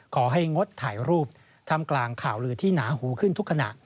งดถ่ายรูปทำกลางข่าวลือที่หนาหูขึ้นทุกขณะ